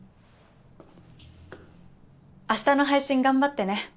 明日の配信頑張ってね。